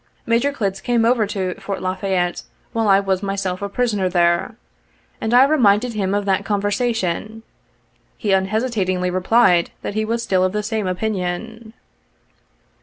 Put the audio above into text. Major Clitz came over to Fort La Fayette while I was my self a prisoner there, and I reminded him of that conversa tion. He unhesitatingly replied that he was still of the same opinion.